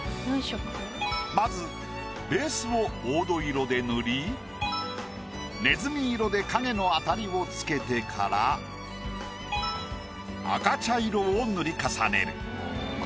まずベースを黄土色で塗りねずみ色で影のアタリをつけてから赤茶色を塗り重ねる。